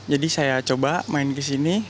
jadi saya coba main ke sini